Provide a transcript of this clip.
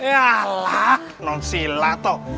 yalah non sila toh